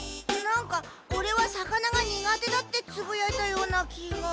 なんか「オレは魚が苦手だ」ってつぶやいたような気が。